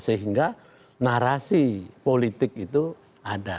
sehingga narasi politik itu ada